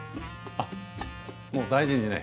あっもう大事にね